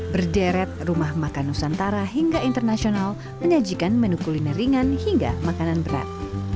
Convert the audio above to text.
berderet rumah makan nusantara hingga internasional menyajikan menu kuliner ringan hingga makanan berat